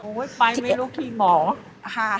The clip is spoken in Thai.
โยปลายไม่รู้ที่หมอ